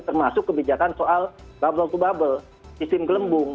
termasuk kebijakan soal bubble to bubble sistem gelembung